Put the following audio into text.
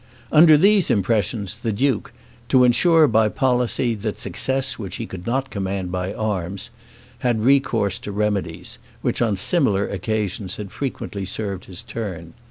Under these impressions, the duke, to insure by policy that success which he could not command by arms, had recourse to remedies, which on similar occasions had frequently served his turn.